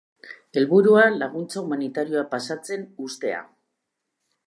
Helburua, laguntza humanitarioa pasatzen uztea.